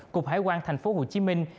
cục hải quan thành phố hồ chí minh